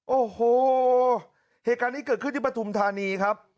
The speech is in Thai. โอ้โหเหตุการณ์นี้เกิดขึ้นที่ปฐุมธานีครับ